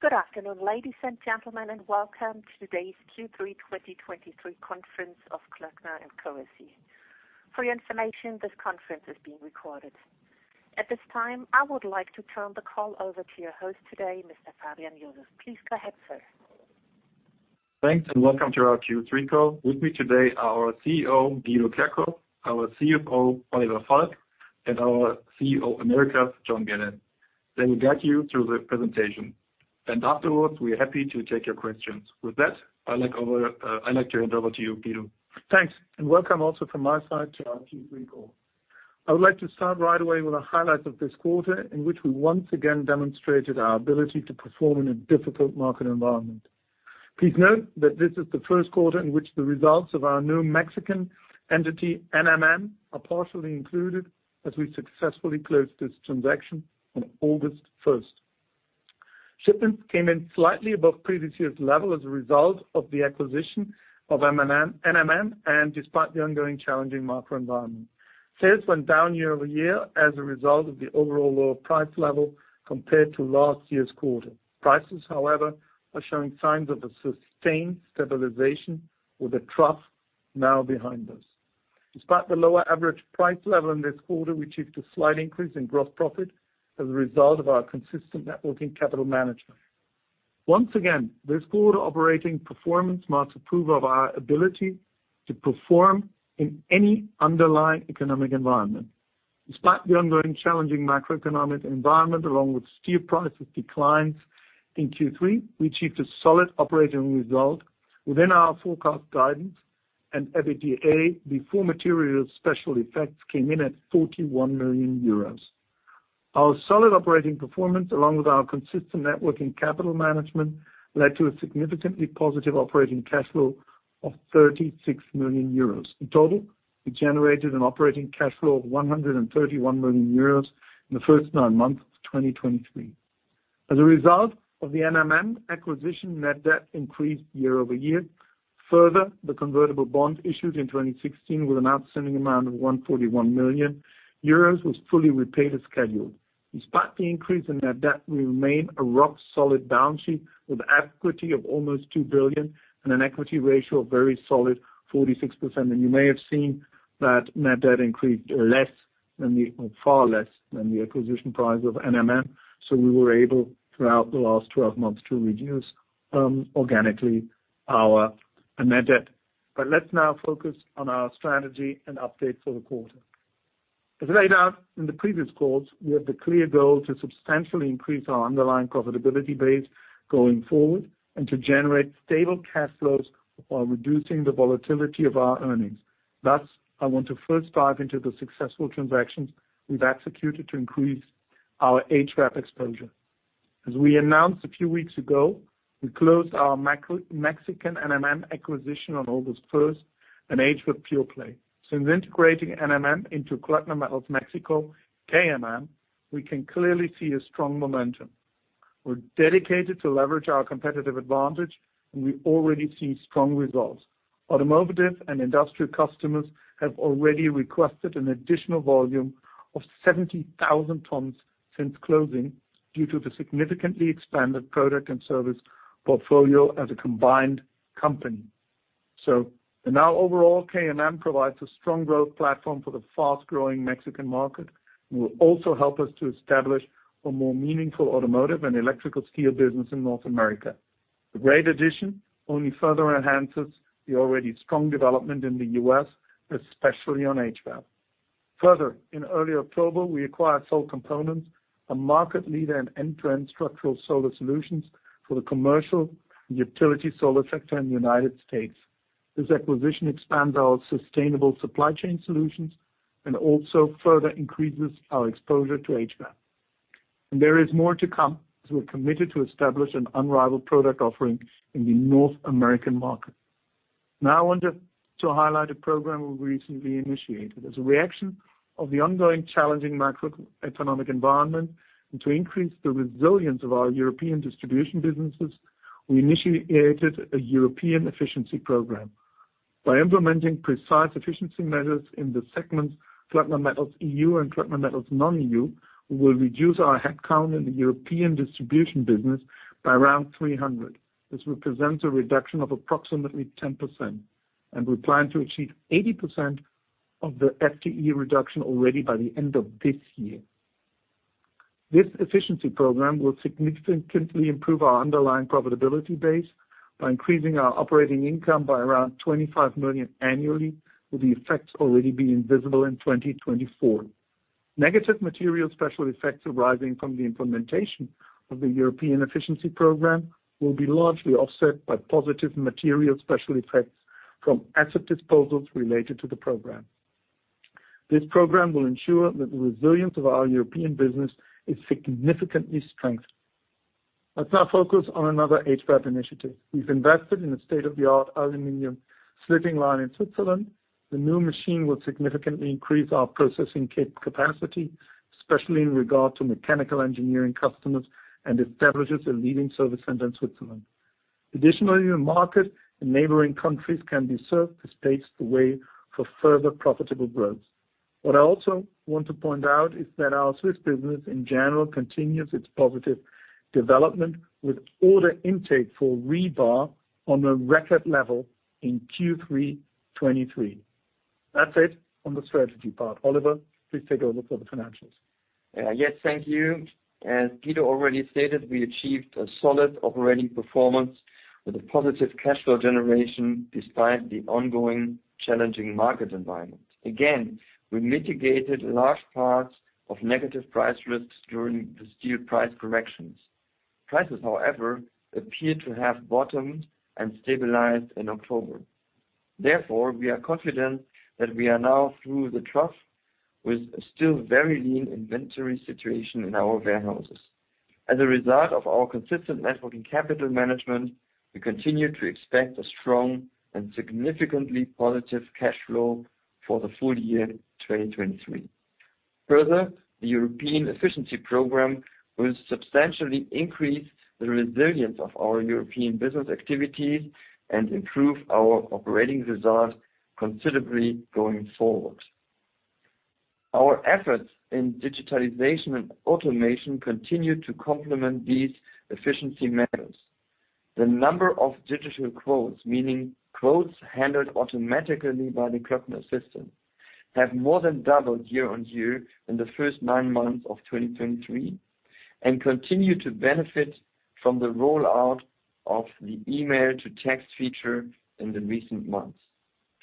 Good afternoon, ladies and gentlemen, and welcome to today's Q3 2023 conference of Klöckner & Co SE. For your information, this conference is being recorded. At this time, I would like to turn the call over to your host today, Mr. Fabian Joseph. Please go ahead, sir. Thanks, and welcome to our Q3 call. With me today, our CEO, Guido Kerkhoff, our CFO, Oliver Falk, and our CEO Americas, John Ganem. They will guide you through the presentation, and afterwards, we are happy to take your questions. With that, I'd like to hand over to you, Guido. Thanks, and welcome also from my side to our Q3 call. I would like to start right away with the highlights of this quarter, in which we once again demonstrated our ability to perform in a difficult market environment. Please note that this is the first quarter in which the results of our new Mexican entity, NMM, are partially included, as we successfully closed this transaction on August first. Shipments came in slightly above previous year's level as a result of the acquisition of NMM, and despite the ongoing challenging macro environment. Sales went down year-over-year as a result of the overall lower price level compared to last year's quarter. Prices, however, are showing signs of a sustained stabilization, with a trough now behind us. Despite the lower average price level in this quarter, we achieved a slight increase in gross profit as a result of our consistent net working capital management. Once again, this quarter operating performance marks approval of our ability to perform in any underlying economic environment. Despite the ongoing challenging macroeconomic environment, along with steel prices declines in Q3, we achieved a solid operating result within our forecast guidance and EBITDA, before material special effects came in at 41 million euros. Our solid operating performance, along with our consistent net working capital management, led to a significantly positive operating cash flow of 36 million euros. In total, we generated an operating cash flow of 131 million euros in the first nine months of 2023. As a result of the NMM acquisition, net debt increased year-over-year. Further, the convertible bonds issued in 2016, with an outstanding amount of 141 million euros, was fully repaid as scheduled. Despite the increase in net debt, we remain a rock-solid balance sheet, with equity of almost 2 billion and an equity ratio of very solid 46%. You may have seen that net debt increased far less than the acquisition price of NMM, so we were able, throughout the last 12 months, to reduce organically our net debt. Let's now focus on our strategy and update for the quarter. As laid out in the previous calls, we have the clear goal to substantially increase our underlying profitability base going forward and to generate stable cash flows while reducing the volatility of our earnings. Thus, I want to first dive into the successful transactions we've executed to increase our HVAC exposure. As we announced a few weeks ago, we closed our Mexico NMM acquisition on August 1st, an HVAC pure play. Since integrating NMM into Klöckner Metals Mexico, KMM, we can clearly see a strong momentum. We're dedicated to leverage our competitive advantage, and we already see strong results. Automotive and industrial customers have already requested an additional volume of 70,000 tons since closing, due to the significantly expanded product and service portfolio as a combined company. So now, overall, KMM provides a strong growth platform for the fast-growing Mexican market and will also help us to establish a more meaningful automotive and electrical steel business in North America. The great addition only further enhances the already strong development in the U.S., especially on HVAC. Further, in early October, we acquired Sol Components, a market leader in end-to-end structural solar solutions for the commercial and utility solar sector in the United States. This acquisition expands our sustainable supply chain solutions and also further increases our exposure to HVAC. There is more to come, as we're committed to establish an unrivaled product offering in the North American market. Now, I want to highlight a program we recently initiated. As a reaction of the ongoing challenging macroeconomic environment and to increase the resilience of our European distribution businesses, we initiated a European efficiency program. By implementing precise efficiency measures in the segments Klöckner Metals EU and Klöckner Metals Non-EU, we will reduce our headcount in the European distribution business by around 300. This represents a reduction of approximately 10%, and we plan to achieve 80% of the FTE reduction already by the end of this year. This efficiency program will significantly improve our underlying profitability base by increasing our operating income by around 25 million annually, with the effects already being visible in 2024. Negative material special effects arising from the implementation of the European efficiency program will be largely offset by positive material special effects from asset disposals related to the program. This program will ensure that the resilience of our European business is significantly strengthened. Let's now focus on another HVAC initiative. We've invested in a state-of-the-art aluminum slitting line in Switzerland. The new machine will significantly increase our processing capacity, especially in regard to mechanical engineering customers, and establishes a leading service center in Switzerland. Additionally, the market in neighboring countries can be served to space the way for further profitable growth. What I also want to point out is that our Swiss business, in general, continues its positive development, with order intake for rebar on a record level in Q3 2023. That's it on the strategy part. Oliver, please take over for the financials. Yes, thank you. As Guido already stated, we achieved a solid operating performance with a positive cash flow generation despite the ongoing challenging market environment. Again, we mitigated large parts of negative price risks during the steel price corrections. Prices, however, appear to have bottomed and stabilized in October. Therefore, we are confident that we are now through the trough with a still very lean inventory situation in our warehouses. As a result of our consistent net working capital management, we continue to expect a strong and significantly positive cash flow for the full year 2023. Further, the European efficiency program will substantially increase the resilience of our European business activities and improve our operating results considerably going forward. Our efforts in digitalization and automation continue to complement these efficiency measures. The number of digital quotes, meaning quotes handled automatically by the Klöckner system, have more than doubled year-on-year in the first nine months of 2023, and continue to benefit from the rollout of the email to text feature in the recent months.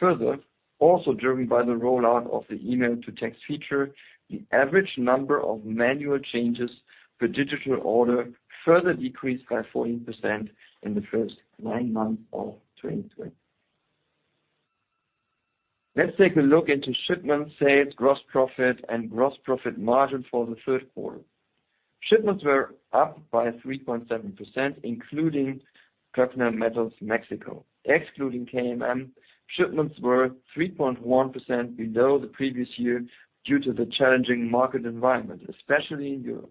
Further, also driven by the rollout of the email to text feature, the average number of manual changes per digital order further decreased by 14% in the first nine months of 2023. Let's take a look into shipments, sales, gross profit, and gross profit margin for the third quarter. Shipments were up by 3.7%, including Klöckner Metals Mexico. Excluding KMM, shipments were 3.1% below the previous year due to the challenging market environment, especially in Europe.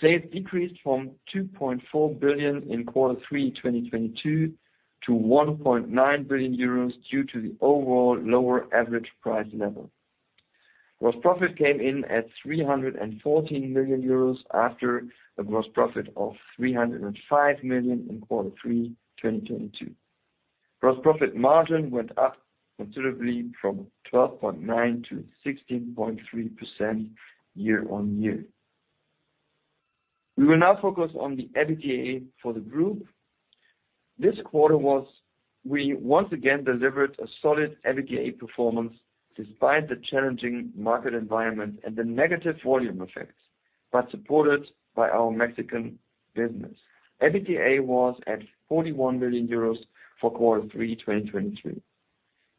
Sales decreased from 2.4 billion in quarter three, 2022, to 1.9 billion euros due to the overall lower average price level. Gross profit came in at 314 million euros, after a gross profit of 305 million in quarter three, 2022. Gross profit margin went up considerably from 12.9%-16.3% year-on-year. We will now focus on the EBITDA for the group. This quarter was, we once again delivered a solid EBITDA performance despite the challenging market environment and the negative volume effects, but supported by our Mexican business. EBITDA was at 41 billion euros for quarter three, 2023.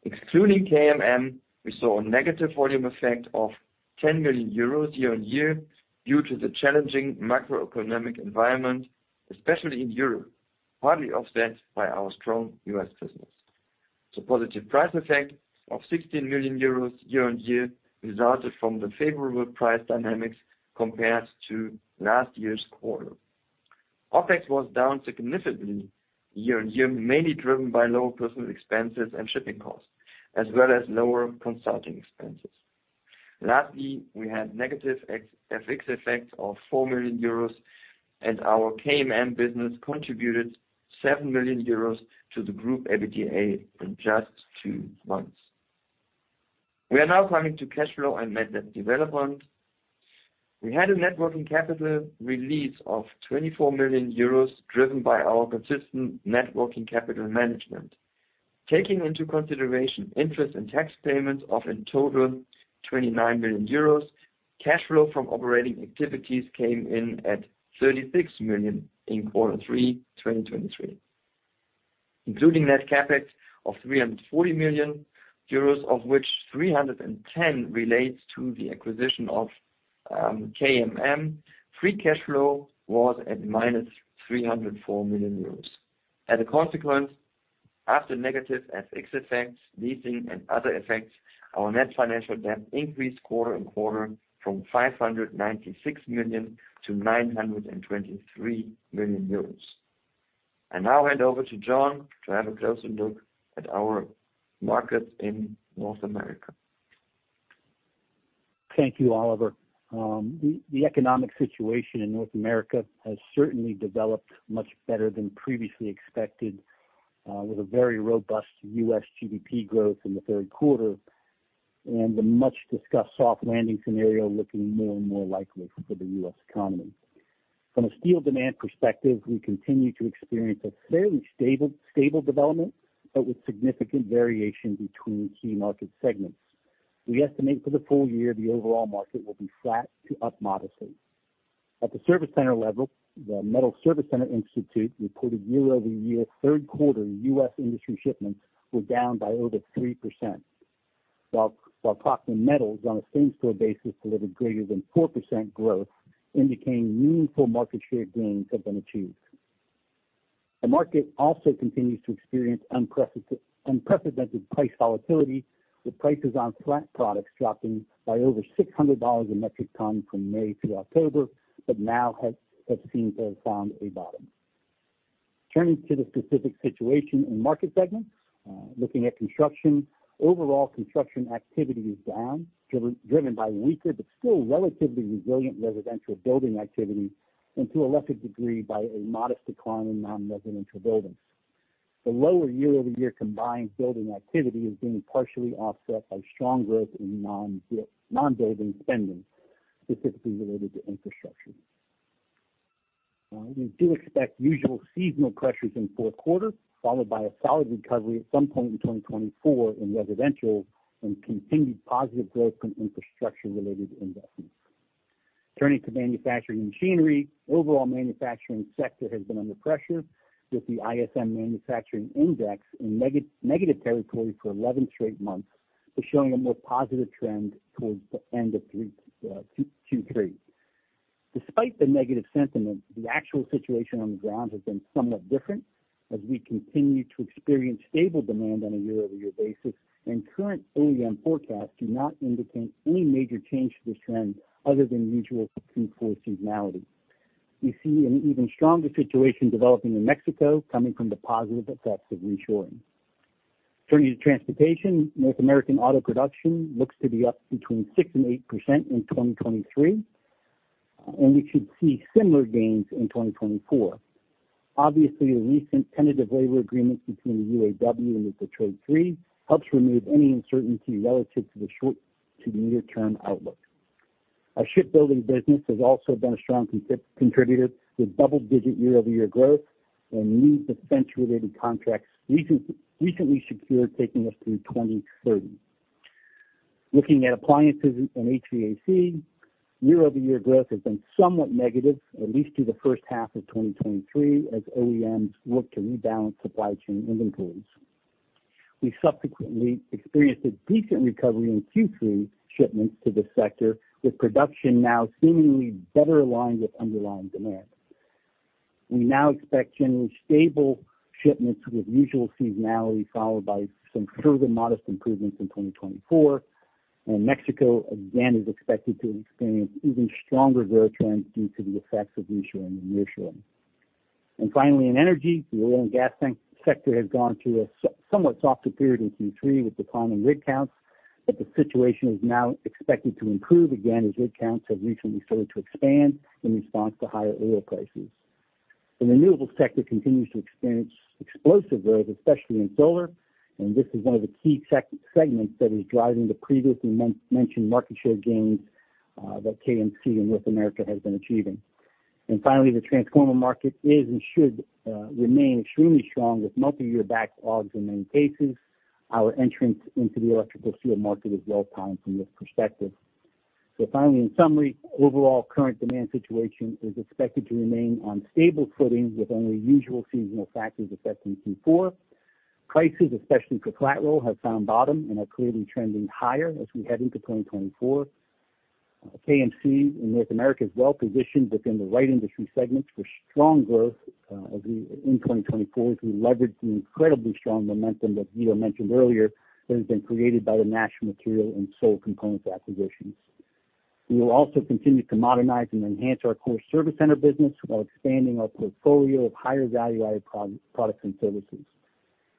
Excluding KMM, we saw a negative volume effect of 10 million euros year-on-year, due to the challenging macroeconomic environment, especially in Europe, partly offset by our strong U.S. business. The positive price effect of 16 million euros year-on-year resulted from the favorable price dynamics compared to last year's quarter. OpEx was down significantly year-on-year, mainly driven by lower personal expenses and shipping costs, as well as lower consulting expenses. Lastly, we had negative FX effects of 4 million euros, and our KMM business contributed 7 million euros to the group EBITDA in just two months. We are now coming to cash flow and net debt development. We had a net working capital release of 24 million euros, driven by our consistent net working capital management. Taking into consideration interest and tax payments of, in total, 29 million euros, cash flow from operating activities came in at 36 million in quarter three 2023. Including net CapEx of 340 million euros, of which 310 relates to the acquisition of KMM, free cash flow was at -304 million euros. As a consequence, after negative FX effects, leasing, and other effects, our net financial debt increased quarter-on-quarter from 596 million-923 million euros. I now hand over to John to have a closer look at our market in North America. Thank you, Oliver. The economic situation in North America has certainly developed much better than previously expected, with a very robust U.S. GDP growth in the third quarter, and the much-discussed soft landing scenario looking more and more likely for the U.S. economy. From a steel demand perspective, we continue to experience a fairly stable development, but with significant variation between key market segments. We estimate for the full year, the overall market will be flat to up modestly. At the service center level, the Metals Service Center Institute reported year-over-year, third quarter U.S. industry shipments were down by over 3%, while Klöckner Metals, on a same-store basis, delivered greater than 4% growth, indicating meaningful market share gains have been achieved. The market also continues to experience unprecedented price volatility, with prices on flat products dropping by over $600 a metric ton from May to October, but now have seemed to have found a bottom. Turning to the specific situation and market segments, looking at construction, overall construction activity is down, driven by weaker but still relatively resilient residential building activity, and to a lesser degree, by a modest decline in non-residential buildings. The lower year-over-year combined building activity is being partially offset by strong growth in non-building spending, specifically related to infrastructure. We do expect usual seasonal pressures in fourth quarter, followed by a solid recovery at some point in 2024 in residential and continued positive growth from infrastructure-related investments. Turning to manufacturing machinery, overall manufacturing sector has been under pressure, with the ISM Manufacturing Index in negative territory for 11 straight months, but showing a more positive trend towards the end of Q3. Despite the negative sentiment, the actual situation on the ground has been somewhat different, as we continue to experience stable demand on a year-over-year basis, and current OEM forecasts do not indicate any major change to this trend other than usual Q4 seasonality. We see an even stronger situation developing in Mexico, coming from the positive effects of reshoring. Turning to transportation, North American auto production looks to be up between 6% and 8% in 2023, and we should see similar gains in 2024. Obviously, the recent tentative labor agreements between the UAW and the Detroit Three helps remove any uncertainty relative to the near-term outlook. Our shipbuilding business has also been a strong contributor, with double-digit year-over-year growth and new defense-related contracts recently secured, taking us through 2030. Looking at appliances and HVAC, year-over-year growth has been somewhat negative, at least through the first half of 2023, as OEMs look to rebalance supply chain inventories. We subsequently experienced a decent recovery in Q3 shipments to this sector, with production now seemingly better aligned with underlying demand. We now expect generally stable shipments with usual seasonality, followed by some further modest improvements in 2024, and Mexico, again, is expected to experience even stronger growth trends due to the effects of reshoring and nearshoring. And finally, in energy, the oil and gas tank sector has gone through a somewhat softer period in Q3 with declining rig counts, but the situation is now expected to improve again, as rig counts have recently started to expand in response to higher oil prices. The renewables sector continues to experience explosive growth, especially in solar, and this is one of the key segments that is driving the previously mentioned market share gains that KMC in North America has been achieving. And finally, the transformer market is and should remain extremely strong, with multi-year backlogs in many cases. Our entrance into the electrical steel market is well-timed from this perspective. So finally, in summary, overall current demand situation is expected to remain on stable footing, with only usual seasonal factors affecting Q4. Prices, especially for flat roll, have found bottom and are clearly trending higher as we head into 2024. KMC in North America is well positioned within the right industry segments for strong growth in 2024, as we leverage the incredibly strong momentum that Guido mentioned earlier, that has been created by the National Material and Sol Components acquisitions. We will also continue to modernize and enhance our core service center business while expanding our portfolio of higher value-added products and services.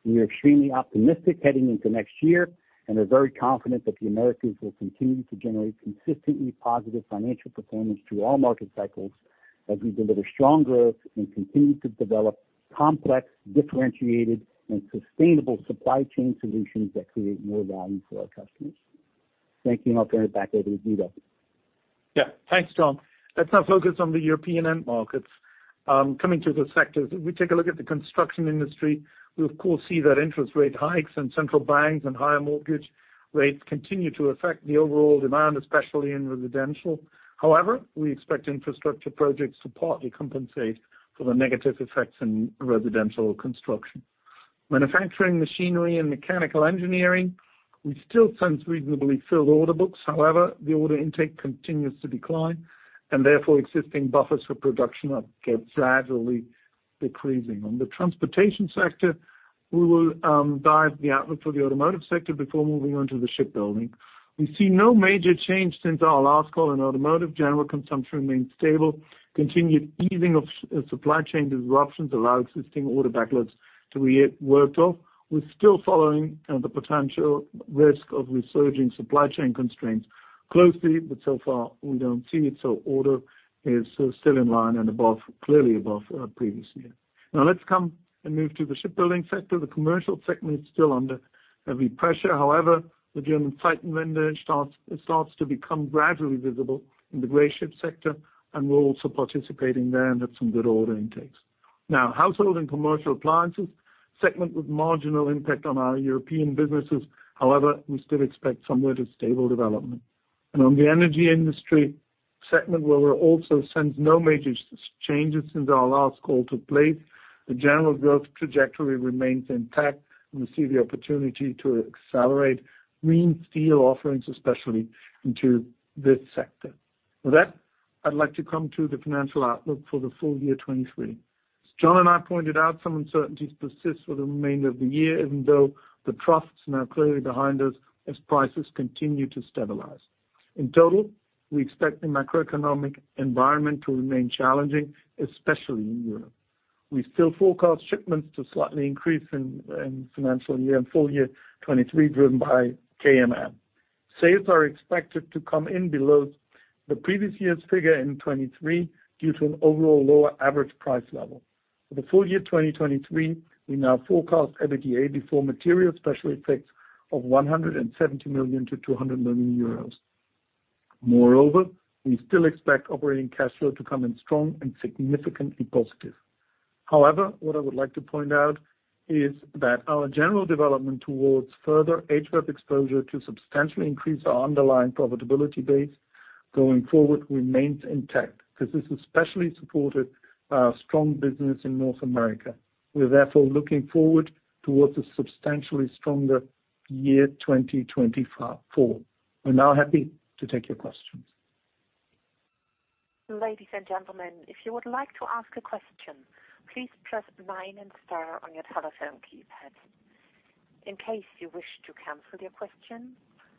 We are extremely optimistic heading into next year, and are very confident that the Americas will continue to generate consistently positive financial performance through all market cycles, as we deliver strong growth and continue to develop complex, differentiated, and sustainable supply chain solutions that create more value for our customers. Thank you, and I'll turn it back over to Guido. Yeah. Thanks, John. Let's now focus on the European end markets. Coming to the sectors, if we take a look at the construction industry, we of course see that interest rate hikes and central banks and higher mortgage rates continue to affect the overall demand, especially in residential. However, we expect infrastructure projects to partly compensate for the negative effects in residential construction. Manufacturing, machinery, and mechanical engineering, we still sense reasonably filled order books. However, the order intake continues to decline, and therefore, existing buffers for production are getting gradually decreasing. On the transportation sector, we will dive the outlook for the automotive sector before moving on to the shipbuilding. We see no major change since our last call in automotive. General consumption remains stable. Continued easing of supply chain disruptions allow existing order backlogs to be worked off. We're still following the potential risk of resurging supply chain constraints closely, but so far, we don't see it, so order is still in line and above, clearly above, previous year. Now let's come and move to the shipbuilding sector. The commercial segment is still under heavy pressure. However, the German shipyards start to become gradually visible in the cruise ship sector, and we're also participating there and have some good order intakes. Now, household and commercial appliances segment with marginal impact on our European businesses. However, we still expect somewhat a stable development. And on the energy industry segment, where we also sense no major changes since our last call took place, the general growth trajectory remains intact, and we see the opportunity to accelerate green steel offerings, especially into this sector. With that, I'd like to come to the financial outlook for the full year 2023. As John and I pointed out, some uncertainties persist for the remainder of the year, even though the trough's now clearly behind us as prices continue to stabilize. In total, we expect the macroeconomic environment to remain challenging, especially in Europe. We still forecast shipments to slightly increase in financial year and full year 2023, driven by KMM. Sales are expected to come in below the previous year's figure in 2023, due to an overall lower average price level. For the full year 2023, we now forecast EBITDA before material special effects of 170 million-200 million euros. Moreover, we still expect operating cash flow to come in strong and significantly positive. However, what I would like to point out, is that our general development towards further HVP exposure to substantially increase our underlying profitability base going forward remains intact, because this especially supported strong business in North America. We're therefore looking forward towards a substantially stronger year 2024. We're now happy to take your questions. Ladies and gentlemen, if you would like to ask a question, please press nine and star on your telephone keypad. In case you wish to cancel your question,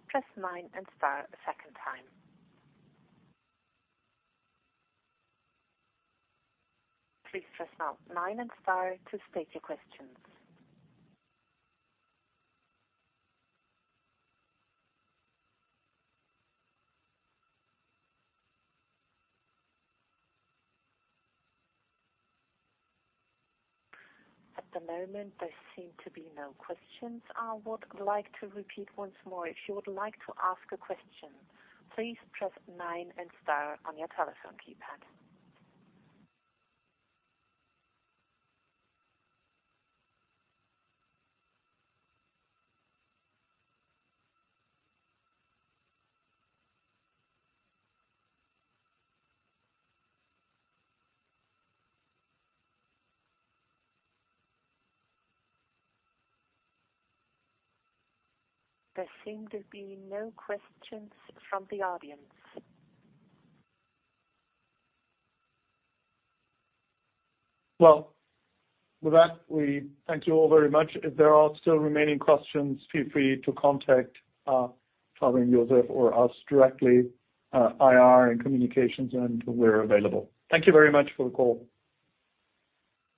press nine and star a second time. Please press now nine and star to state your questions. At the moment, there seem to be no questions. I would like to repeat once more, if you would like to ask a question, please press nine and star on your telephone keypad. There seem to be no questions from the audience. Well, with that, we thank you all very much. If there are still remaining questions, feel free to contact Fabian Joseph or us directly, IR and Communications, and we're available. Thank you very much for the call.